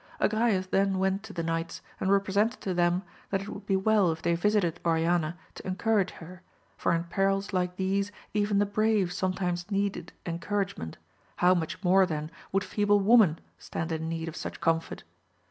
Agrayes then went to the knights and represented to them that it would be well if they visited Oriana to encourage her, for in perils like these even the brave sometimes needed encouragement, how much more then would feeble woman stand in need of such comfort?